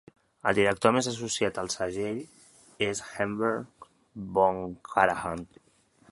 El director més associat al segell és Herbert von Karajan.